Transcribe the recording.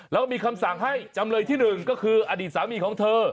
แล้วมีคำสั่งให้จำเลยที่๑ก็คืออดีตสามีของเธอ